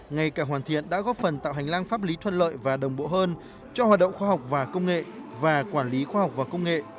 ngay cả hoàn thiện đã góp phần tạo hành lang pháp lý thuận lợi và đồng bộ hơn cho hoạt động khoa học và công nghệ và quản lý khoa học và công nghệ